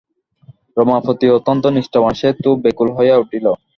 রমাপতি অত্যন্ত নিষ্ঠাবান, সে তো ব্যাকুল হইয়া উঠিল।